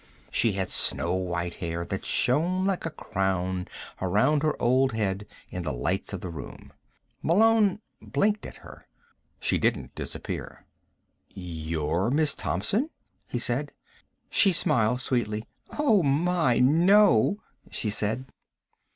She had snow white hair that shone like a crown around her old head in the lights of the room. Malone blinked at her. She didn't disappear. "You're Miss Thompson?" he said. She smiled sweetly. "Oh, my, no," she said.